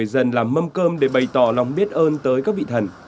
ông để bày tỏ lòng biết ơn tới các vị thần